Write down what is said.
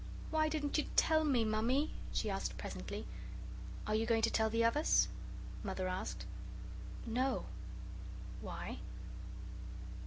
"Why didn't you tell me, Mammy?" she asked presently. "Are you going to tell the others?" Mother asked. "No." "Why?"